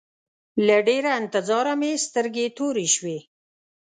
له ډېره انتظاره مې سترګې تورې شوې.